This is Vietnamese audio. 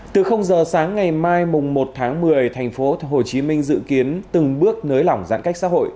từ giờ sáng ngày mai một tháng một mươi thành phố hồ chí minh dự kiến từng bước nới lỏng giãn cách xã hội